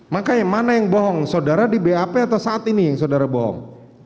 makanya mana yang bohong saudara di bap atau saat ini yang saudara bohong